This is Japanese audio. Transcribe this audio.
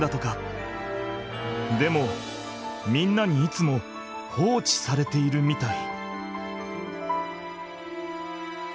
でもみんなにいつも放置されているみたい。